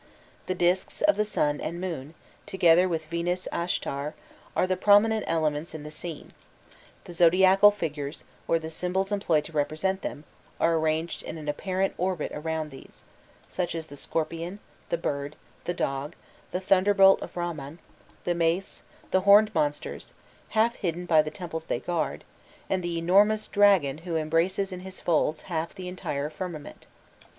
The disks of the sun and moon, together with Venus Ashtar, are the prominent elements in the scene: the zodiacal figures, or the symbols employed to represent them, are arranged in an apparent orbit around these such as the Scorpion, the Bird, the Dog, the Thunderbolt of Ramman, the mace, the horned monsters, half hidden by the temples they guard, and the enormous Dragon who embraces in his folds half the entire firmament.